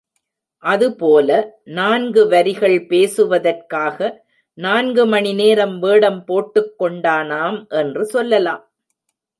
அதுபோல, நான்கு வரிகள் பேசுவதற்காக நான்கு மணி நேரம் வேடம் போட்டுக் கொண்டானாம் என்று சொல்லலாம்.